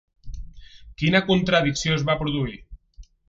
Quina contradicció es va produir?